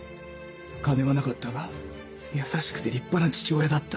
金はなかったが優しくて立派な父親だった。